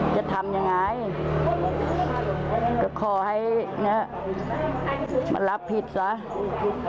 จะทำยังไงก็ขอให้มันรับผิดเสีย